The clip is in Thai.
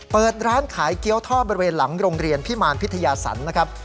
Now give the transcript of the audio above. เปิดร้านขายเกี้ยวทอดบริเวณหลังโรงเรียนพิมารพิทยาสันนะครับ